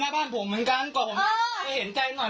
เรื่องไรช่วย